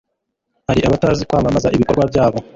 hari abatazi Kwamamaza ibkorwa byabo